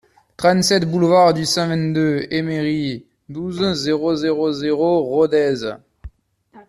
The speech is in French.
trente-sept boulevard du cent vingt-deux Eme Ri, douze, zéro zéro zéro, Rodez